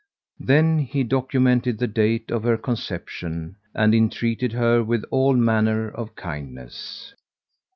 Then he documented the date of her conception and entreated her with all manner of kindness.